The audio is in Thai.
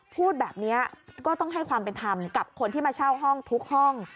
พูดแบบนี้ก็ต้องให้ความเป็นธรรมกับคนที่มาเช่าห้องทุกห้อง